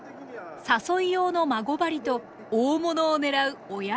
誘い用の孫針と大物を狙う親針。